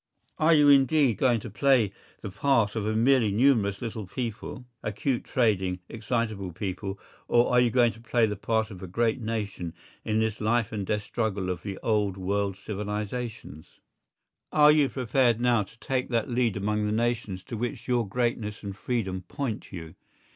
Are you indeed going to play the part of a merely numerous little people, a cute trading, excitable people, or are you going to play the part of a great nation in this life and death struggle of the old world civilisations? Are you prepared now to take that lead among the nations to which your greatness and freedom point you?